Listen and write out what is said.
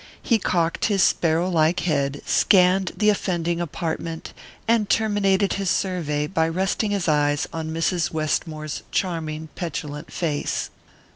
He cocked his sparrow like head, scanned the offending apartment, and terminated his survey by resting his eyes on Mrs. Westmore's charming petulant face.